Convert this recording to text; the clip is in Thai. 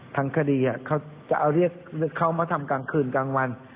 ทางคดีเขาจะเอาเรียกเขามาทำกลางคืนกลางวัน